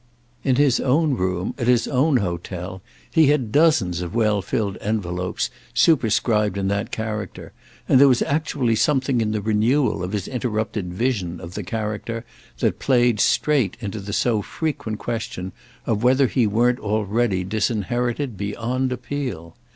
In his own room, at his own hotel, he had dozens of well filled envelopes superscribed in that character; and there was actually something in the renewal of his interrupted vision of the character that played straight into the so frequent question of whether he weren't already disinherited beyond appeal.